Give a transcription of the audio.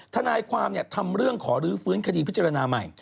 ทนายความทำเรื่องขอรื้อฟื้นคดีพิจารณาใหม่